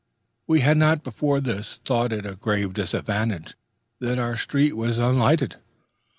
We had not before this thought it a grave disadvantage that our street was unlighted.